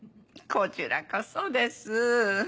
こちらこそです。